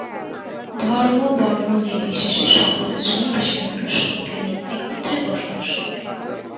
ধর্ম, বর্ণ নির্বিশেষে সকল শ্রেণী পেশার মানুষ এখানে একত্রে বসবাস করে।